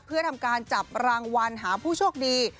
เพื่อทำการจับรางวัลหาผู้โชคดี